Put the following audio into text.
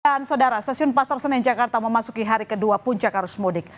dan saudara stasiun pasar senen jakarta memasuki hari kedua puncak arus mudik